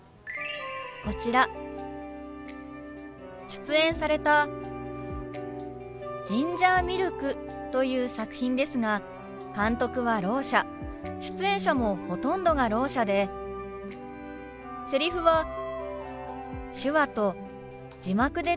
こちら出演された「ジンジャーミルク」という作品ですが監督はろう者出演者もほとんどがろう者でセリフは手話と字幕でつづられる作品なんですよね。